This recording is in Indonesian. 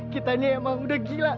kita ini emang udah gila